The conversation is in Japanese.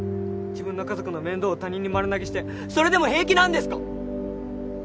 自分の家族の面倒を他人に丸投げしてそれでも平気なんですか？